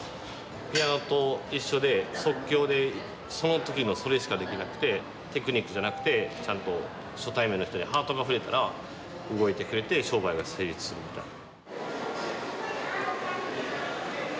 ピアノと一緒で即興でその時のそれしかできなくてテクニックじゃなくてちゃんと初対面の人にハートが触れたら動いてくれて商売が成立するみたいな。